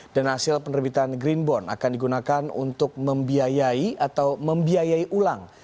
dan hasil penerbitan green bond akan digunakan untuk membiayai atau membiayai ulang